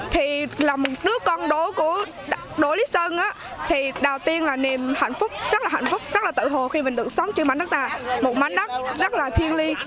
thì là một đứa con đố của đội lý sơn thì đầu tiên là niềm hạnh phúc rất là hạnh phúc rất là tự hồ khi mình được sống trên mảnh đất tà một mảnh đất rất là thiên ly